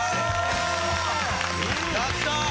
やったー！